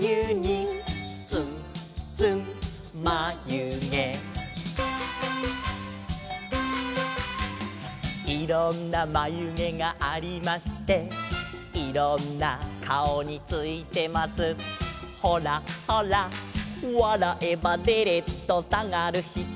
「つんつんまゆげ」「いろんなまゆげがありまして」「いろんなかおについてます」「ほらほら」「わらえばでれっとさがるひと」